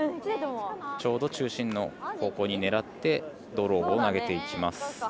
ちょうど中心の方向に狙ってドローを投げていきます。